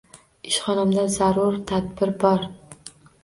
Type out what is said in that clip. Ishxonamda zarur tadbir bor